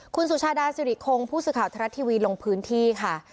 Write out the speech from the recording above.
คุณสุชาดาสิริคงผู้สื่อข่าวทรัฐทีวีลงพื้นที่ค่ะ